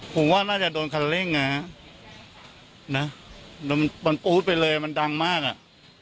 ผมว่าน่าจะโดนคันเร่งอ่ะฮะนะมันปู๊ดไปเลยมันดังมากอ่ะ